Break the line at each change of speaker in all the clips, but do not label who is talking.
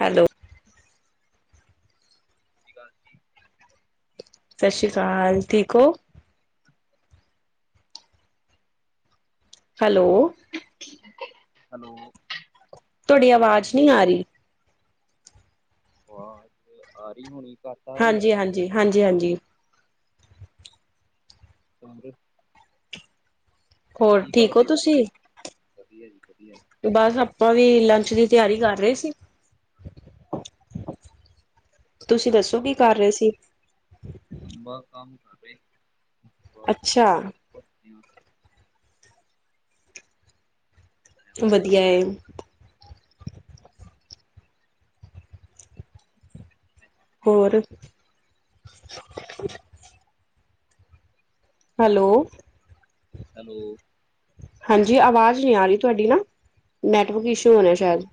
Hello.
[unintelligible]
ਸਸ਼ੀਕਾਲ, ਠੀਕ ਹੋ? Hello.
Hello.
ਤੋਡੀ ਆਵਾਜ ਨਈ ਆ ਰਈ।
ਵਾ ਜ ਤੇ ਆ ਰੀ ਹੋਣੀ ਘੱਟ ਆ ਰਹੀ ਆ
ਹਾਂਜੀ, ਹਾਂਜੀ, ਹਾਂਜੀ, ਹਾਂਜੀ
[unintelligible]
ਹੋਰ
ਕੀ
ਠੀਕ ਹੋ
ਕਰਦੇ ਓ ਤੁਹੀ?
ਤੁਸੀਂ
ਵਧੀਆ ਜੀ, ਵਧੀਆ।
ਬਸ ਆਪਾਂ ਵੀ ਲੰਚ ਦੀ ਤਿਆਰੀ ਕਰ ਰਹੇ ਸੀ। ਤੁਸੀਂ ਦੱਸੋ ਕੀ ਕਰ ਰਹੇ ਸੀ?
ਬ ਕੰਮ ਕਰ ਰਏ,
ਅੱਛਾ
ਬਸ [unintelligible]
ਵਦੀਆ ਏ। ਹੋਰ ਹੈਲੋ
ਹੈਲੋ
ਹਾਂਜੀ ਆਵਾਜ਼ ਨਈ ਆ ਰਹੀ ਤੁਆਡੀ ਨਾ, ਨੈਟਵਰਕ ਇਸ਼ੂ ਹੋਨਾ ਸ਼ਾਏਦ।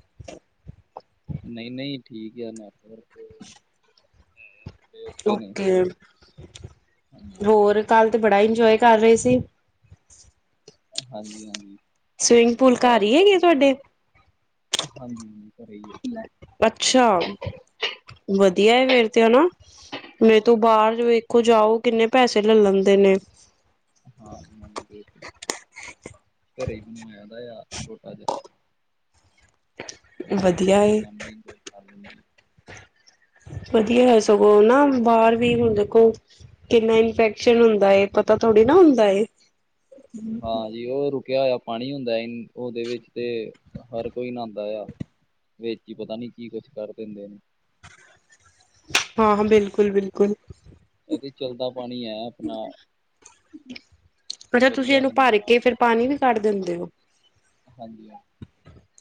ਨਈ, ਨਈ, ਠੀਕ ਆ ਨੈਟਵਰਕ। ਹੁੰ।
ਓਕੇ,
ਹਾਂਜੀ
‍ ਹੋਰ ਕੱਲ ਤੇ ਬੜਾ ਇੰਜੋਏ ਕਰ ਰਏ ਸੀ।
ਹਾਂਜੀ, ਹਾਂਜੀ।
ਸਵੀੰਗ ਪੂਲ ਘਰ ਹੀ ਹੈਗੇ ਤੁਆਡੇ।
ਆ ਹਾਂਜੀ ਜੀ ਘਰੇ ਈ ਐ।
ਅੱਛਾ।
ਹਾਂ
ਵਧੀਆ ਏ ਫੇਰ ਤੇ ਹਨਾ। ਨਈ ਤੋ
ਹਾਂ
ਬਾਰ ਵੇਖੋ ਜਾਓ ਕਿੰਨੇ ਪੈਸੇ ਲੈ ਲੈਂਦੇ ਨੇ।
ਹਾਂ ਨਵੀ ਦੇਤ। ਘਰੇ ਈ ਬਣਵਾਇਆ ਦਾ ਯਾ ਛੋਟਾ ਜਿਆ। ਅੰਦਰ ਈ
ਵਧੀਆ
ਸਾਰੀ
ਏ।
ਫੈਮਲੀ ਗੋਰ ਕਰ ਲੈਂਦੀ ਐ।
ਵਧੀਆ ਯ ਸਗੋਂ ਨਾ ਬਾਰ ਵੀ ਹੁਣ ਦੇਖੋ ਕਿੰਨਾ ਇਨਫੈਕਸ਼ਨ ਹੁੰਦਾ ਏ ਪਤਾ ਥੋੜੀ ਨਾ ਹੁੰਦਾ ਏ।
ਹਾਂ ਜੀ ਓ ਰੁਕਿਆਂ ਹੋਇਆ ਪਾਣੀ ਹੁੰਦਾ ਏ ਨ ਓਦੇ ਵਿੱਚ ਤੇ ਹ ਹਰ ਕੋਈ ਨਾਂਦਾ ਯਾ। ਵੇਚ ਈ ਪਤਾ ਨੀ ਕੀ ਕੁੱਛ ਕਰ ਦਿੰਦੇ ਨੇ।
ਹਾਂ-ਹਾਂ ਬਿਲਕੁਲ-ਬਿਲਕੁਲ।
ਐ ਤੇ ਚਲਦਾ ਪਾਣੀ ਐ ਅਪਣਾ
ਅੱਛਾ ਤੁਸੀਂ
ਵਧੀਆ
ਇਹਨੂੰ
ਰੈਂਦਾ
ਭਰ
ਨਾਲ।
ਕੇ ਫਿਰ ਪਾਣੀ ਵੀ ਕੱਢ ਦਿੰਦੇ ਓ?
ਅ ਹਾਂਜੀ ਹਾਂ।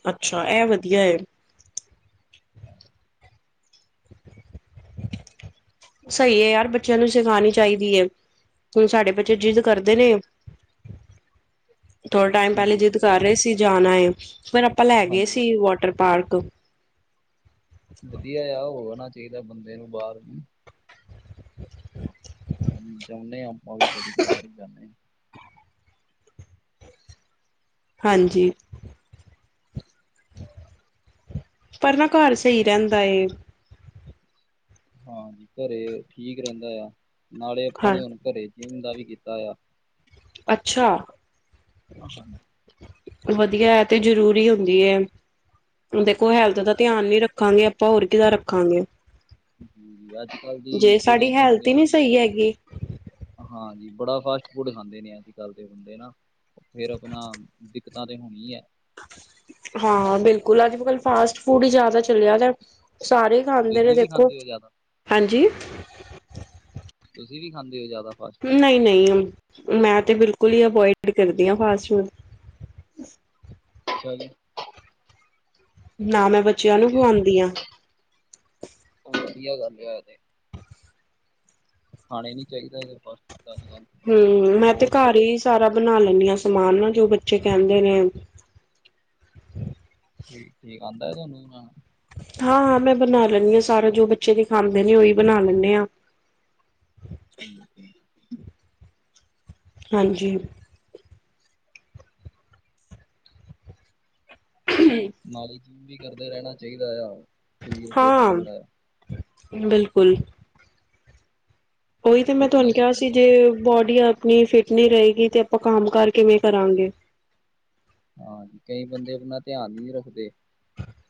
ਅੱਛਾ ਐ ਵਧੀਆ ਏ। [inaudible] ਸਈ ਏ ਯਾਰ ਬੱਚਿਆਂ ਨੂੰ ਸਿਖਾਣੀ ਚਾਈਦੀ ਏ। ਹੁਣ ਸਾਡੇ ਬੱਚੇ ਜਿੱਦ ਕਰਦੇ ਨੇ। [inaudible] ਥੋੜਾ ਟਾਈਮ ਪਹਲੇ
ਠੀਕ
ਜਿੱਦ
ਹੈ ਜੀ।
ਕਰ ਰਏ ਸੀ ਜਾਣਾ ਏ ਫੇਰ ਅਪਾਂ ਲੈ ਗਏ
ਹਾਂਜੀ
ਸੀ ਵਾਟਰ ਪਾਰਕ।
ਵਧੀਆ ਯਾ ਹੋਆਣਾ ਚਾਈਦਾ ਬੰਦੇ ਨੂੰ ਬਾਰ। ਹਮ ਜਾਣੇ ਆ ਆਪਾ ਵੀ ਕਦੇ ਕਦਾਰ ਈ ਜਾਣੇ ਆ।
ਹਾਂਜੀ। ਪਰ ਨਾ ਘਰ ਸਈ ਰਹਿੰਦਾ ਏ।
ਹਾਂ ਘਰੇ ਠੀਕ ਰਹਿੰਦਾ ਯਾ ਨਾਲੇ ਅਪਾਂ
ਹਾਂ
ਨੇ ਹੁਣ ਘਰੇ ਜਿੰਮ ਦਾ ਵੀ ਕੀਤਾ ਯਾ।
ਅੱਛਾ।
ਹਾਂਜੀ
ਵਧੀਆ, ਐ ਤੇ ਜਰੂਰੀ ਹੁੰਦੀ ਏ। ਦੇਖੋ
ਹਾਂ
ਹੈਲਥ ਦਾ ਧਿਆਨ ਨੀ ਰਖ ਰੱਖਾਂਗੇ, ਅਪਾਂ ਹੋਰ ਕੀਹਦਾ ਰਖਾਂਗੇ।
ਜੀ ਅੱਜ ਕੱਲ੍ਹ ਦੀ ਜੇੜੀ
ਸਾਡੀ ਹੈਲਥ ਹੀ
ਜਨਰੇਸ਼ਨ
ਨਹੀਂ ਸਹੀ
ਨਾ
ਹੈਗੀ
ਹਾਂਜੀ ਬੜਾ ਫਾਸਟ ਫੂਡ ਖਾਂਦੇ ਨੇ ਅੱਜ ਕੱਲ੍ਹ ਦੇ ਬੰਦੇ ਨਾ। ਫੇਰ ਅਪਣਾ ਦਿੱਕਤਾ ਤੇ ਹੋਣੀ ਐ।
ਹਾਂ ਬਿਲਕੁਲ ਅੱਜ ਕੱਲ ਫਾਸਟ ਫੂਡ ਈ ਜਾਦਾ ਚਲਿਆ ਦੈ ਸਾਰੇ ਖਾਂਦੇ ਨੇ
ਤੁਸੀਂ ਵੀ
ਦੇਖੋ।
ਖਾਂਦੇ ਹੋ ਜ਼ਿਆਦਾ
ਹਾਂਜੀ।
ਤੁਸੀਂ ਵੀ ਖਾਂਦੇ ਓ ਜਿਆਦਾ
ਨਈ-ਨਈ ਮੈਂ ਤੇ ਬਿਲਕੁਲ ਈ ਅਵੋਇਡ ਕਰਦੀ ਆ ਫਾਸਟ ਫੂਡ।
ਅੱਛਾ ਜੀ
ਨਾ ਮੈਂ ਬੱਚਿਆਂ ਨੂੰ
ਵਧੀਆ ਗੱਲ
ਖਵਾਉਂਦੀ ਹਾਂ।
ਐ। ਵਧੀਆ ਗੱਲ ਏ ਐ ਤੇ। ਖਾਣੇ ਨੀ ਚਾਈਦਾ ਫਾਸਟ ਫੂਡ ਅੱਜ ਕੱਲ।
ਹਮ ਮੈਂ ਤੇ
ਬਹੁਤ
ਘਰ
ਆਪਣਾ
ਈ ਸਾਰਾ ਬਣਾ ਲੈਣੀ ਆ ਸਮਾਨ ਨਾ ਜੋ ਬੱਚੇ ਕਹਿੰਦੇ ਨੇ।
ਠੀਕ-ਠੀਕ ਆਂਦਾ ਤੁਹਾਨੂੰ ਬਨਾਣਾ?
ਹਾਂ-ਹਾਂ ਮੈਂ ਬਣਾ ਲੈਣੀ ਆ ਸਾਰਾ ਜੋ ਬੱਚੇ ਦੇ ਖਾਂਦੇ ਨੇ ਉਈ ਬਣਾ ਲੈਂਣੇ ਆ।
ਹਮ- ਹਮ।
ਹਾਂਜੀ। [unintelligible]
ਨਾਲੇ ਜਿੰਮ ਵੀ ਕਰਦੇ ਰੈਨਾ ਚਾਈਦਾ ਆ।
ਹਾਂ, ਬਿਲਕੁਲ। ਓਇ ਤੇ ਮੈਂ ਤੁਹਾਨੂੰ
ਫਿਟਨੈਸ
ਕਿਆ ਸੀ ਜੇ
ਰਹਿੰਦੀ ਹੈ
ਬੋਡੀ ਆਪਣੀ ਫਿਟ ਨੀ ਰਏਗੀ ਤੇ ਅਪਾਂ ਕੰਮ ਕਾਰ ਕਿਵੇਂ ਕਰਾਂਗੇ।
ਹਾਂਜੀ ਕਈ ਬੰਦੇ ਆਪਣਾ ਧਿਆਨ ਈ ਨੀ ਰੱਖਦੇ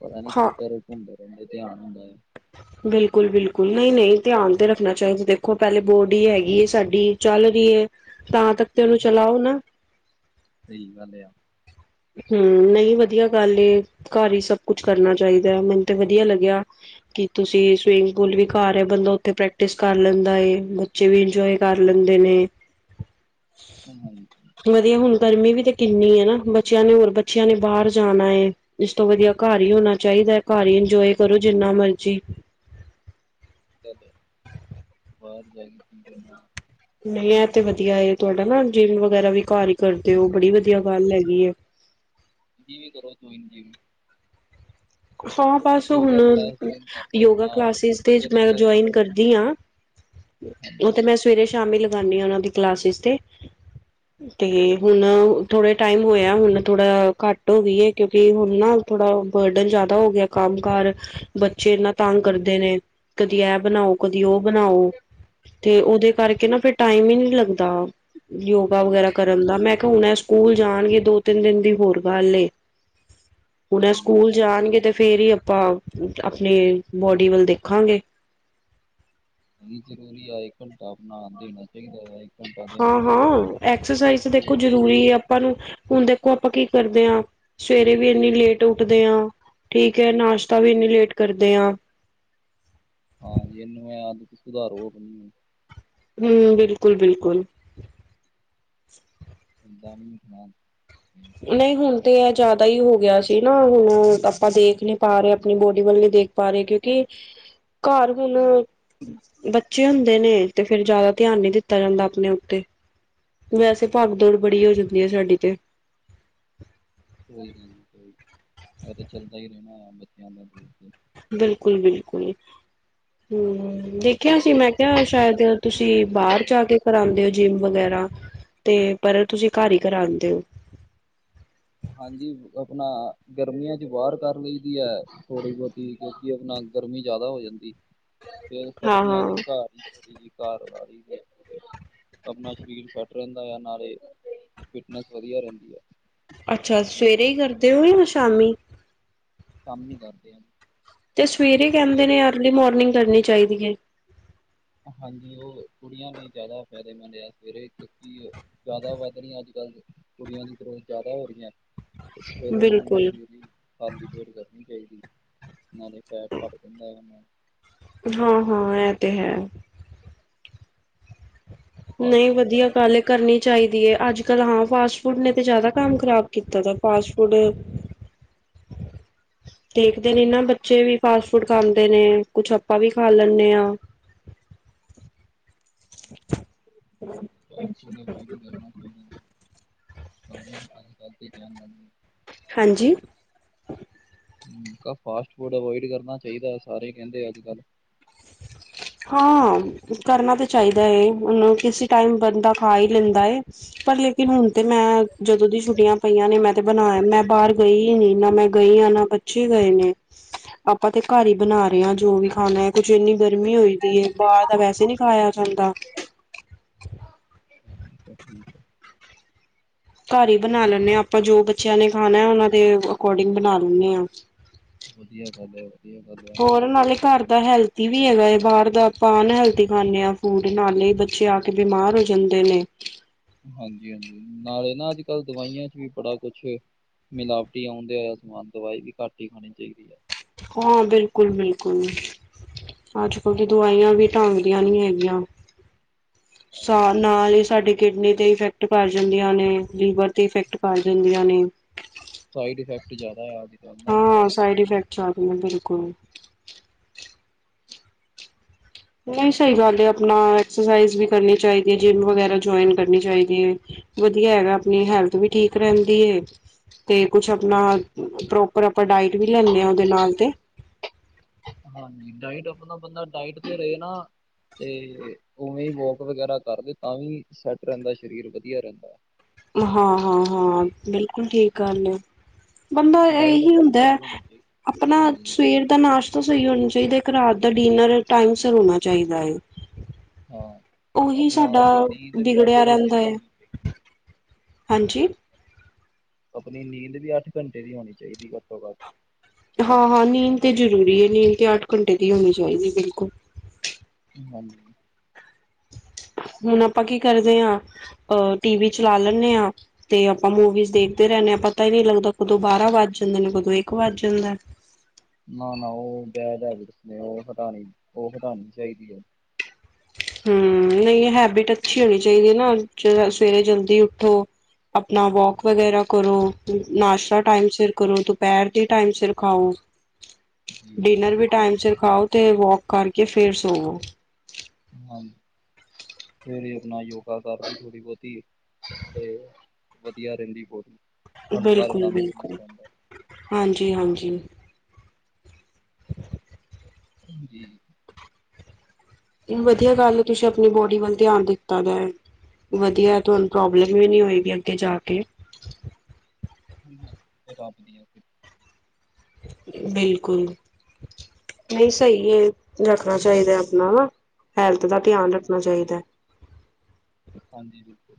ਪਤਾ ਨੀ
ਹਾਂ
ਕਿੱਧਰ ਹੁੰਦੇ ਰਹਿੰਦੇ ਧਿਆਨ ਹੁੰਦਾ ਐ।
[inaudible] ਬਿਲਕੁਲ ਬਿਲਕੁਲ, ਨਹੀਂ ਨਹੀਂ ਧਿਆਨ ਤੇ ਰੱਖਣਾ ਚਾਹੀਦਾ, ਦੇਖੋ ਪਹਿਲੇ ਬੋਡੀ ਹੈਗੀ ਏ ਸਾਡੀ, ਚੱਲ ਰਹੀ ਏ ਤਾਂ ਤੱਕ ਤੇ ਉਹਨੂੰ
ਹਾਂ,
ਚਲਾਓ ਨਾ।
ਸਹੀ ਗੱਲ ਆ।
ਹੂੰ ਨਹੀਂ ਵਧੀਆ ਗੱਲ ਏ, ਘਰ ਹੀ ਸਭ ਕੁਛ ਕਰਨਾ ਚਾਹੀਦਾ ਏ, ਮੈਨੂੰ ਤੇ ਵਧੀਆ ਲੱਗਿਆ। ਕੀ ਤੁਸੀਂ ਸਵੀਮਿੰਗ ਪੂਲ ਵੀ ਘਰ ਐ, ਬੰਦਾ ਉੱਥੇ ਪ੍ਰੈਕਟਿਸ ਕਰ ਲੈਂਦਾ ਏ ਬੱਚੇ ਵੀ ਇੰਜੋਏ ਕਰ ਲੈਂਦੇ ਨੇ।
ਏ ਤਾਂ ਹੈ ਹੀ।
ਵਧੀਆ ਹੁਣ ਗਰਮੀ ਵੀ ਤੇ ਕਿੰਨੀ ਏ ਨਾ, ਬੱਚਿਆਂ ਨੇ ਹੋਰ ਬੱਚਿਆਂ ਨੇ ਬਾਹਰ ਜਾਣਾ ਏ। ਇਸ ਤੋਂ ਵਧੀਆ ਘਰ ਹੀ ਹੋਣਾ ਚਾਹੀਦਾ ਏ, ਘਰ ਹੀ ਇੰਜੋਏ ਕਰੋ ਜਿੰਨਾ ਮਰਜ਼ੀ।
[unintelligible] ਬਾਹਰ ਜਾਏਗੀ ਕੀਹਦੇ ਨਾਲ।
ਨਹੀਂ ਇਹ ਤੇ ਵਧੀਆ ਏ, ਤੁਹਾਡਾ ਨਾ ਜਿੰਮ ਵਗੈਰਾ ਵੀ ਘਰ ਹੀ ਕਰਦੇ ਹੋ ਬੜੀ ਵਧੀਆ ਗੱਲ ਹੈਗੀ ਏ।
ਤੁਸੀਂ ਵੀ ਕਰੋ ਜੋਇਨ ਜਿੰਮ।
ਹਾਂ ਬਸ ਹੁਣ
ਯੋਗਾ ਕਲਾਸ ਜੁਆਇਨ ਕਰ ਲੋ
ਯੋਗਾ
ਆਪਣਾ
ਕਲਾਸਿਸ
ਫਿਟ
ਤੇ ਮੈਂ
ਰਹਿੰਦਾ ਹੀ ਆ
ਜੁਆਇੰਨ ਕਰਦੀ ਆਂ। ਉਹ ਤੇ ਮੈਂ ਸਵੇਰੇ ਸ਼ਾਮੀ ਲਗਾਉਂਦੀ ਹਾਂ ਉਹਨਾਂ ਦੀ ਕਲਾਸਿਸ ਤੇ, ਤੇ ਹੁਣ ਥੋੜੇ ਟਾਈਮ ਹੋਇਆ ਹੁਣ ਥੋੜ੍ਹਾ ਘੱਟ ਹੋ ਗਈ ਏ ਕਿਉਂਕਿ ਹੁਣ ਨਾ ਥੋੜ੍ਹਾ ਬਰਡਨ ਜਾ ਜ਼ਿਆਦਾ ਹੋ ਗਿਆ ਕੰਮ ਕਾਰ, ਬੱਚੇ ਏਨਾ ਤੰਗ
ਹਾਂਜੀ
ਕਰਦੇ ਨੇ, ਕਦੀ ਇਹ ਬਣਾਓ, ਕਦੀ ਉਹ ਬਣਾਓ ਤੇ ਉਹਦੇ ਕਰਕੇ ਨਾ ਫਿਰ ਟਾਈਮ ਹੀ ਨਹੀਂ ਲੱਗਦਾ। ਯੋਗਾ ਵਗੈਰਾ ਕਰਨ ਦਾ ਮੈਂ ਕਿਹਾ ਹੁਣ ਸਕੂਲ ਜਾਣਗੇ ਦੋ ਤਿੰਨ ਦਿਨ ਦੀ ਹੋਰ ਗੱਲ ਏ। [unintelligible] ਹੁਣ ਇਹ
ਹਾਂਜੀ
ਸਕੂਲ ਜਾਣਗੇ ਤੇ ਫੇਰ ਹੀ ਆਪਾਂ ਆਪਣੀ ਬੋਡੀ ਵੱਲ ਦੇਖਾਂਗੇ।
ਨਹੀਂ ਜ਼ਰੂਰੀ ਐ ਇੱਕ ਘੰਟਾ ਆਪਣਾ ਦੇਣਾ ਚਾਹੀਦਾ ਏ।
ਹਾਂ ਹਾਂ, ਐਕਸਰਸਾਈਜ਼ ਦੇਖੋ
ਚੋਟ
ਜ਼ਰੂਰੀ
ਰਹਿੰਦੀ ਹੈ
ਆ। ਆਪਾਂ ਨੂੰ ਹੁਣ ਦੇਖੋ ਆਪਾਂ ਕੀ ਕਰਦੇ ਆ, ਸਵੇਰੇ ਵੀ ਏਨੀ ਲੇਟ ਉੱਠਦੇ ਆ। ਠੀਕ ਹੈ ਨਾਸ਼ਤਾ ਵੀ ਇੰਨੀ ਲੇਟ ਕਰਦੇ ਆ।
ਹਾਂਜੀ ਇਹਨੂੰ ਐ ਸੁਧਾਰੋ ਆਪਣੀ
ਹੂ ਬਿਲਕੁਲ ਬਿਲਕੁਲ।
ਦਮ ਨਾਲ
ਨਹੀਂ ਹੁਣ ਤੇ ਇਹ ਜ਼ਿਆਦਾ ਹੀ ਹੋ ਗਿਆ ਸੀ ਨਾ ਹੁਣ ਆਪਾਂ ਦੇਖ ਨੀ ਪਾ ਰਹੇ, ਆਪਣੀ ਬੋਡੀ ਵੱਲੇ ਵਿ ਦੇਖ ਪਾ ਰਹੇ ਕਿਉਂਕਿ ਘਰ ਹੁਣ ਬੱਚੇ ਹੁੰਦੇ ਨੇ ਤੇ ਫੇਰ ਜ਼ਿਆਦਾ ਧਿਆਨ ਨੀ ਦਿੱਤਾ ਜਾਂਦਾ ਆਪਣੇ ਉੱਤੇ। ਵੈਸੇ ਭਾਗ ਦੌੜ ਬੜੀ ਹੋ ਜਾਂਦੀ ਏ ਸਾਡੀ ਤੇ।
ਕੋਈ ਨੀ ਕੋਈ ਨੀ, ਐ ਤੇ ਚੱਲਦਾ ਹੀ ਰਹਿਣਾ ਏ ਬੱਚਿਆਂ ਦਾ ਤੇ।
ਬਿਲਕੁਲ ਬਿਲਕੁਲ ਹੂ। ਦੇਖਿਆ ਸੀ ਮੈਂ ਕਿਹਾ ਸ਼ਾਇਦ ਤੁਸੀਂ ਬਾਹਰ ਜਾ ਕੇ ਕਰਾਉਂਦੇ ਹੋ? ਜਿੰਮ ਵਗੈਰਾ ਤੇ ਪਰ ਤੁਸੀਂ ਘਰ ਹੀ ਕਰਾਂਦੇ ਓ?
ਹਾਂਜੀ ਆਪਣਾ ਗਰਮੀਆਂ ਚ ਬਾਹਰ ਕਰ ਲਈ ਦੀ ਐ ਥੋੜ੍ਹੀ ਬਹੁਤ। ਕਿਉਂਕਿ ਆਪਣਾ ਗਰਮੀ ਜਿਆਦਾ ਹੋ ਜਾਂਦੀ।
[unintelligible]
ਫੇਰ ਸਰਦੀਆਂ ਚ
ਹਾਂ-ਹਾਂ,
ਘਰ ਹੀ ਘਰ ਲਾ ਲਈਦੀ ਐ। ਆਪਣਾ ਸਰੀਰ ਫਿੱਟ ਰਹਿੰਦਾ ਆ ਨਾਲੇ, ਫਿਟਨੈਸ ਵਧੀਆ ਰਹਿੰਦੀ ਆ।
ਅੱਛਾ ਸਵੇਰੇ ਹੀ ਕਰਦੇ ਹੋ ਜਾਂ ਸ਼ਾਮੀ?
ਸ਼ਾਮੀਂ ਹੀ ਕਰਦੇ ਆ।
ਤੇ ਸਵੇਰੇ ਕਹਿੰਦੇ
ਸਵੇਰ
ਨੇ ਅਰਲੀ ਮੋਰਨਿੰਗ ਕਰਨੀ ਚਾਹੀਦੀ ਏ।
ਹਾਂਜੀ ਉਹ ਕੁੜੀਆਂ ਦੀ ਜ਼ਿਆਦਾ ਫਾਇਦੇਮੰਦ ਆ ਸਵੇਰੇ ਕਿਉਂਕਿ ਜ਼ਿਆਦਾ ਵੱਧ ਰਹੀਆਂ ਅੱਜ ਕੱਲ੍ਹ, ਕੁੜੀਆਂ ਦੀ ਗਰੋਥ ਜ਼ਿਆਦਾ ਹੋ ਰਹੀਆਂ। ਤੇ ਫੇਰ ਉਹਨਾਂ ਨੂੰ
ਬਿਲਕੁਲ।
ਸਵੇਰੇ ਖਾਲੀ ਪੇਟ ਕਰਨੀ ਚਾਹੀਦੀ। ਨਾਲੇ ਫੈਟ ਘੱਟ ਜਾਂਦਾ ਐ ਨਾਲੇ
ਹਾਂ ਹਾਂ ਐ ਤੇ ਹੈ।
ਫਾਸਟ
ਨਹੀਂ
ਫੂਡ
ਵਧੀਆ
ਜ਼ਿਆਦਾ
ਗੱਲ ਏ। ਕਰਨੀ ਚਾਹੀਦੀ ਹੈ, ਅੱਜ ਕੱਲ ਹਾਂ ਫਾਸਟ ਫੂਡ ਨੇ ਤਾਂ ਜ਼ਿਆਦਾ ਕੰਮ ਖ਼ਰਾਬ ਕੀਤਾ ਦਾ ਫਾਸਟ ਫੂਡ [inaudible] ਦੇਖਦੇ ਨੇ ਨਾ
ਖਾਂਦਾ,
ਬੱਚੇ ਵੀ ਫਾਸਟ ਫੂਡ ਖਾਂਦੇ ਨੇ ਕੁਛ ਆਪਾਂ ਵੀ ਖਾ ਲੈਂਦੇ ਹਾਂ। [unintelligible]
ਫਾਸਟ ਫੁਡ ਨਾ ਪਤਾ ਨੇ ਕੀ ਗੱਲ ਬਣਦੀ ਇਹਨਾਂ ਦੀ ਪਾਣੀ ਵੀ ਬੰਦ ਕਾਰ ਕੇ ਗਿਆ ਯਾ ਨਹੀਂ।
ਹਾਂਜੀ।
ਫਾਸਟ ਫੂਡ ਅਵੋਇਡ ਕਰਨਾ ਚਾਹੀਦਾ ਸਾਰੇ ਕਹਿੰਦੇ ਅੱਜ ਕੱਲ
[inaudible] ਹਾਂ ਕਰਨਾ ਤਾਂ ਚਾਹੀਦਾ ਹੈ, ਹੁਣ ਕਿਸੇ ਟਾਈਮ ਬੰਦਾ ਖਾ ਹੀ ਲੈਂਦਾ ਹੈ। ਪਰ ਲੇਕਿਨ ਹੁਣ ਤੇ ਮੈਂ ਜਦੋਂ ਦੀ ਛੁੱਟੀਆਂ ਪਈਆਂ ਨੇ ਮੈਂ ਤੇ ਬਣਾਯਾ ਮੈਂ ਬਾਰ ਗਈ ਈ ਨੀ ਨਾ ਮੈਂ ਗਈ ਆ ਨਾ ਮੈ ਬੱਚੇ ਗਏ ਨੇ ਆਪਾਂ ਤੇ ਘੱਰ ਹੀ ਬਣਾ ਰੇ ਆ ਜੋ ਵੀ ਖਾਣਾ ਕੁੱਛ ਇੰਨੀ ਗਰਮੀ ਹੋਈ ਦੀ ਏ ਬਾਹਰ ਦਾ ਵੈਸੇ ਨੀ ਖਾਯਾ ਜਾਂਦਾ।
ਤਾਂ ਠੀਕ ਐ।
ਘੱਰ ਹੀ ਬਣਾ ਲੈਂਣੇ ਆ ਆਪਾਂ ਜੋ ਬੱਚਿਆਂ ਨੇ ਖਾਣਾ ਓਨਾਂ ਦੇ ਅਕੋਰਡਿੰਗ ਬਣਾ ਲੇਣੇ ਆ।
ਵਧੀਆ ਗੱਲ ਹੈ ਵਧੀਆ ਗੱਲ ਹੈ
ਹੋਰ ਨਾਲੇ ਘਰ ਤਾਂ ਹੈਲਥੀ ਵੀ ਹੈਗਾ ਏ ਬਾਹਰ ਦਾ ਆਪਾਂ ਅਨਹੈਲਥੀ ਖਾਂਣੇ ਆ ਫੂਡ ਨਾਲੇ ਈ ਬੱਚੇ ਆ ਕੇ ਬਿਮਾਰ ਹੋ ਜਾਂਦੇ ਨੇ।
ਹਾਂਜੀ-ਹਾਂਜੀ ਨਾਲੇ ਨਾ ਅੱਜ-ਕੱਲ੍ਹ ਦਵਾਈਆਂ ਚ ਵੀ ਬੜਾ ਕੁਛ ਮਿਲਾਵਟੀ ਆਉਂਦੇ ਹੋਇਆ ਸਮਾਨ ਦਵਾਈ ਵੀ ਕਟ ਹੀ ਖਾਣੀ ਚਾਇਦੀ ਐ।
ਹਾਂ ਬਿਲਕੁਲ-ਬਿਲਕੁਲ। ਅੱਜ-ਕੱਲ ਤੇ ਦਵਾਈਆਂ ਵੀ ਢੰਗ ਦੀਆਂ ਨੀ ਹੈਗੀਆਂ। ਸਾ ਨਾਲ ਈ ਸਾਡੀ ਕਿਡਨੀ ਤੇ ਇਫੈਕਟ ਕਰ ਜਾਂਦੀਆਂ ਨੇ ਲੀਵਰ ਤੇ ਇਫੈਕਟ ਪਾ ਜਾਂਦੀਆਂ ਨੇ।
ਸਾਈਡ ਇਫੈਕਟ ਜਾਦਾ ਐ ਅਜ
ਹਾਂ ਸਾਈਡ ਇਫੈਕਟ ਜਾਦਾ ਬਿਲਕੁੱਲ ਨਹੀਂ ਸਈ ਗੱਲ ਏ, ਆਪਣਾ ਐਕਸਰਸਾਈਜ ਵੀ ਕਰਨੀ ਚਾਇਦੀ ਜਿੰਮ ਵਗੈਰਾ ਜੋਯਨ ਕਰਨੀ ਚਾਇਦੀ ਏ। ਵਧੀਆ ਏ ਨਾ ਆਪਣੀ ਹੈਲਥ ਵੀ ਠੀਕ ਰੈਂਦੀ ਏ। ਤੇ
'ਚ।
ਕੁਛ
ਹਾਂ
ਆਪਣਾ ਪ੍ਰੋਪਰ ਆਪਾਂ ਡਾਇਟ ਵੀ ਲੈਂਣੇ ਆ ਓਦੇ ਨਾਲ ਤੇ
ਹਾਂਜੀ ਡਾਇਟ ਆਪਣਾ ਬੰਦਾ ਡਾਇਟ ਤੇ ਰਏ ਨਾ ਤੇ ਉਵੇਂ ਵੋਕ ਵਗੈਰਾ ਕਰਦੇ ਤਾਂ ਵੀ ਸੈਟ ਰੈਂਦਾ ਸ਼ਰੀਰ ਵਧੀਆ ਰੈੰਦਾ।
ਹਾਂ-ਹਾਂ-ਹਾਂ ਬਿਲਕੁਲ ਠੀਕ ਗੱਲ ਏ। ਮਨੋ
ਡਾਇਟ
ਐਹੀ
ਆਪਣੀ
ਹੁੰਦਾ
ਸਹੀ ਹੋਣੀ ਚਾਹੀਦੀ।
ਅਪਣਾ
ਹਾਂਜੀ
ਸਵੇਰ ਦਾ ਨਾਸ਼ ਤਾ ਸਹੀ ਹੋਣਾ ਚਾਇਦਾ ਇੱਕ ਰਾਤ ਦਾ ਡਿਨਰ ਟਾਈਮ ਸਿਰ ਹੋਣਾ ਚਾਇਦਾ ਏ।
ਹਾਂ
ਉਹੀ
ਆਪਣਾ
ਸਾਡਾ
ਨੀਂਦ ਵੀ ਅੱਠ
ਵਿਗੜਿਆ
ਘੰਟੇ
ਰਹਿੰਦਾ
ਦੀ
ਏ
ਹੋਣੀ ਚਾਹੀ
ਹਾਂਜੀ
ਅਪਣੀ ਨੀਂਦ ਵੀ ਅੱਠ ਘੰਟੇ ਦੀ ਹੋਣੀ ਚਾਇਦੀ ਘੱਟੋ-ਘੱਟ
ਹਾ-ਹਾਂ ਨੀਂਦ ਤੇ ਜ਼ਰੂਰੀ ਏ, ਨੀਂਦ ਤੇ ਅੱਠ ਘੰਟੇ ਦੀ ਹੋਣੀ ਚਾਇਦੀ ਬਿਲਕੁੱਲ।
ਹਾਂਜੀ।
ਹੁਣ ਆਪਾਂ ਕੀ ਕਰਦੇ ਆ ਅਹ ਟੀ ਵੀ ਚਲਾ ਲੇਣੇ ਆ ਤੇ ਆਪਾਂ ਮੂਵੀਜ਼ ਦੇਖਦੇ ਰੈਣੇ੍ ਆ ਪਤਾ ਈ ਨੀ ਲੱਗਦਾ ਕਦੋਂ ਬਾਰਾਂ ਵੱਜ ਜਾਂਦੇ ਨੇ ਕਦੋਂ ਇੱਕ ਵੱਜ ਜਾਂਦਾ।
ਨਾ-ਨਾ ਓ ਬੈਡ ਹੈਬਿਟਸ ਨੇ ਓ ਹਟਾਣੀ-ਓ ਹਟਾਣੀ ਚਾਇਦੀ ਐ।
ਹੂੰ ਨਹੀਂ ਹੈਬਿਟ ਅੱਛੀ ਹੋਣੀ ਚਾਇਦੀ ਏ ਨਾ ਜ ਸਵੇਰੇ ਜਲਦੀ ਉੱਠੋ ਅਪਣਾ ਵੋਕ
ਹਮ,
ਵਗੈਰਾ ਕਰੋ ਨਾਸ਼ਤਾ ਟਾਈਮ ਸਿਰ ਕਰੋ ਦੁ ਦੋਪੈਰ ਦੀ ਟਾਈਮ ਸਿਰ ਖਾਓ,
ਜੀ ਜੀ
ਡਿਨਰ ਵੀ
ਬਿਲਕੁਲ
ਟਾਈਮ ਸਿਰ ਖਾਓ ਤੇ ਵੋਕ ਕਰਕੇ ਫੇਰ ਸੋਵੋ।
ਹਾਂ ਫੇਰ ਆਪਣਾ ਯੋਗਾ ਕਰ ਲਈ ਥੋੜੀ-ਬੋਤੀ ਤੇ ਵਧੀਆ ਰੈੰਦੀ ਬੋਤ ਹਲਕਾ-ਹਲਕਾ
ਬਿਲਕੁਲ,
ਮਹਿਸੂਸ
ਬਿਲਕੁਲ।
ਰੈਂਦਾ।
ਹਾਂਜੀ-ਹਾਂਜੀ। [inaudible]
ਜੀ।
ਵਧੀਆ ਗੱਲ ਏ ਤੁਸੀਂ ਆਪਣੀ ਬੋਡੀ ਵੱਲ ਧਿਆਨ ਦਿੱਤਾ ਦਾ ਐ। ਵਧੀਆ ਤੁਹਾਨੂੰ ਪ੍ਰੋਬਲਮ ਵੀ ਨਹੀਂ ਹੋਏਗੀ ਅੱਗੇ ਜਾ ਕੇ
[inaudible]
ਬਿਲਕੁਲ ਨਹੀਂ ਸਈ ਏ, ਰੱਖਣਾ ਚਾਇਦਾ ਆਪਣਾ ਨਾ ਹੈਲਥ ਦਾ ਧਿਆਨ ਰੱਖਣਾ ਚਾਹੀਦਾ ਹੈ।
ਹਾਂਜੀ ਬਿਲਕੁਲ